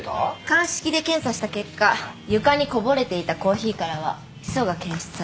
鑑識で検査した結果床にこぼれていたコーヒーからはヒ素が検出されました。